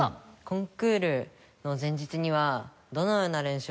コンクールの前日にはどのような練習をするのですか？